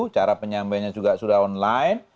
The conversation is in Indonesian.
cara penyampaiannya juga sudah online